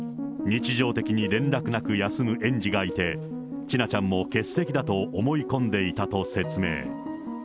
日常的に連絡なく休む園児がいて、千奈ちゃんも欠席だと思い込んでいたと説明。